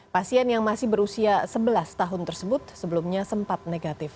pasien yang masih berusia sebelas tahun tersebut sebelumnya sempat negatif